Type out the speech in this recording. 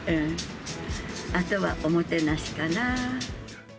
あとは、おもてなしかな。